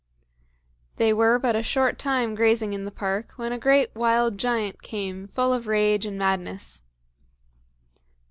They were but a short time grazing in the park when a great wild giant came full of rage and madness.